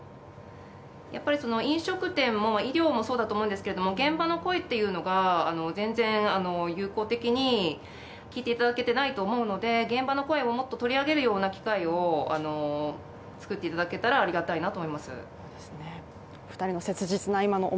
やっぱり飲食店も医療もそうだと思うんですけれども現場の声っていうのが全然有効的に聞いていただけてないと思うので、現場の声をもっと取り上げるような機会を作っていただけたらありがたいなと思います。